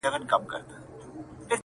• ماته مه وایه چي نه یې پوهېدلی -